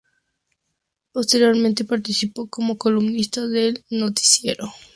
Posteriormente participo como columnista en el Noticiero.